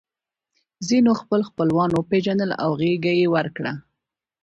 ځینو خپل خپلوان وپېژندل او غېږه یې ورکړه